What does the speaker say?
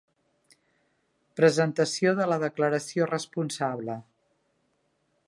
Presentació de la declaració responsable.